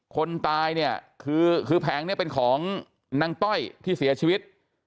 คนตายเนี่ยคือแผงเนี่ยเป็นของนางต้อยที่เสียชีวิต